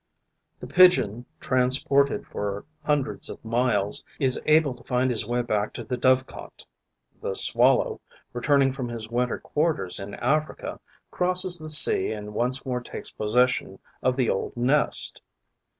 The Pigeon transported for hundreds of miles is able to find his way back to his Dove cot; the Swallow, returning from his winter quarters in Africa, crosses the sea and once more takes possession of the old nest.